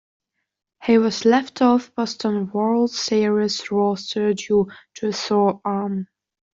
He was left off Boston's World Series roster due to a sore arm.